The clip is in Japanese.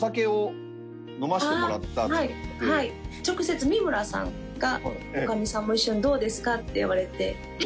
直接三村さんが女将さんも一緒にどうですかって言われて。